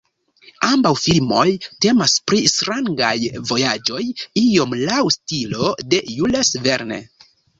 Ambaŭ filmoj temas pri strangaj vojaĝoj, iom laŭ la stilo de Jules Verne.